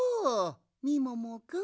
みももくん。